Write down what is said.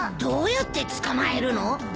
どうやって捕まえるの？